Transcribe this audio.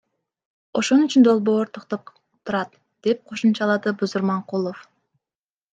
Ошол үчүн долбоор токтоп турат, — деп кошумчалады Бузурманкулов.